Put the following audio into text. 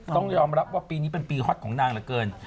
ต้องยอมรับว่าปีนี้เป็นปีฮอตของนางเหลือเกิน